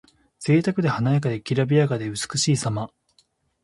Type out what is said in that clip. ぜいたくで華やかで、きらびやかで美しいさま。